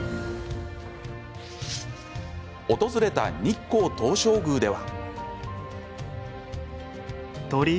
訪れた日光東照宮では。